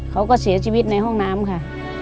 เขาก็เสียชีวิตในห้องน้ำค่ะ